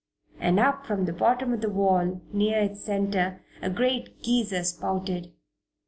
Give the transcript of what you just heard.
And up from the bottom of the wall, near its center, a great geyser spouted.